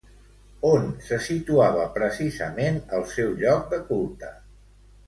On se situava precisament el seu lloc de culte?